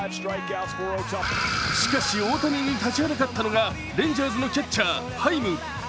しかし大谷に立ちはだかったのがレンジャーズのキャッチャーハイム。